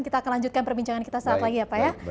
kita akan lanjutkan perbincangan kita saat lagi ya pak ya